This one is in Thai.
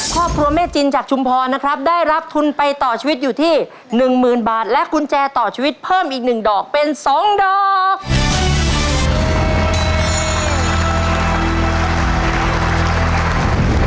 ครอบครัวแม่จินจากชุมพรนะครับได้รับทุนไปต่อชีวิตอยู่ที่หนึ่งหมื่นบาทและกุญแจต่อชีวิตเพิ่มอีก๑ดอกเป็น๒ดอก